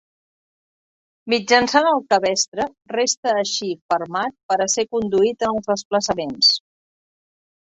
Mitjançant el cabestre resta així fermat per a ser conduït en els desplaçaments.